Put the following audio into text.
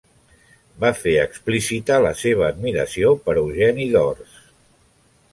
Va fer explícita la seva admiració per Eugeni d'Ors.